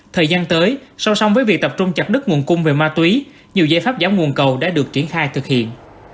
thời gian tới so sông với việc tập trung chặt đứt nguồn cung về ma túy nhiều giải pháp giám nguồn cầu đã được triển khai thực hiện